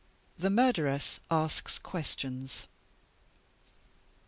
THE MURDERESS ASKS QUESTIONS.